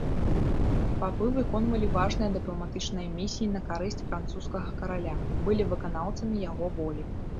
Папы выконвалі важныя дыпламатычныя місіі на карысць французскага караля, былі выканаўцамі яго волі.